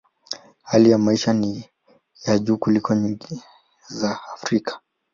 Hali ya maisha ni ya juu kuliko nchi nyingi za Afrika.